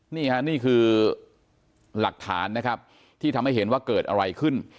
นี่ค่ะนี่คือหลักฐานนะครับที่ทำให้เห็นว่าเกิดอะไรขึ้น